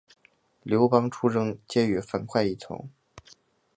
刘邦出征皆与樊哙一同。